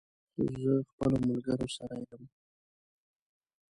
زه خپلو ملګرو سره یم